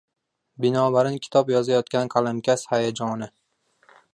Binobarin, kitob yozayotgan qalamkash hayajoni